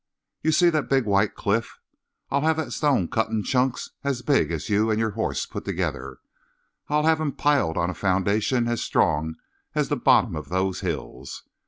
You see that big white cliff? I'll have that stone cut in chunks as big as you and your horse put together. I'll have 'em piled on a foundation as strong as the bottom of those hills.